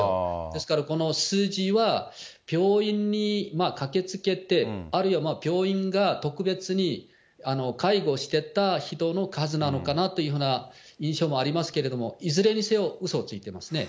ですから、この数字は病院に駆けつけて、あるいは病院が特別に介護してた人の数なのかなというふうな印象もありますけれども、いずれにせようそをついてますね。